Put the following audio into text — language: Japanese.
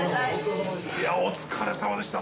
お疲れさまでした。